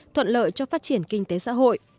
thuận lợi cho phát triển kinh tế xã hội